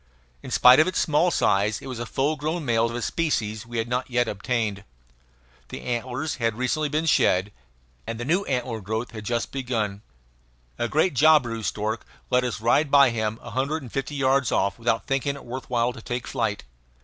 In spite of its small size it was a full grown male, of a species we had not yet obtained. The antlers had recently been shed, and the new antler growth had just begun. A great jabiru stork let us ride by him a hundred and fifty yards off without thinking it worth while to take flight.